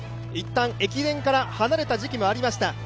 一旦駅伝から離れた時期もありました。